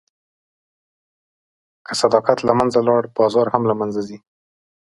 که صداقت له منځه لاړ، بازار هم له منځه ځي.